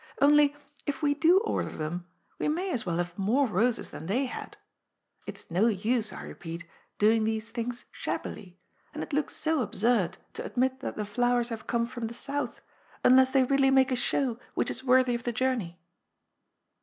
Only, if we do order them, we may as well have more roses than they had. It is no use, I repeat, doing these things shabbily, and it looks so absurd to admit that the fiowers have come from the South, unless they really make a show which is worthy of the journey."